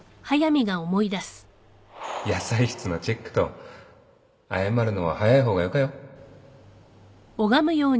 野菜室のチェックと謝るのは早い方がよかよ